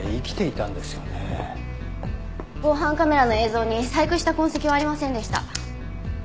防犯カメラの映像に細工した痕跡はありませんでした。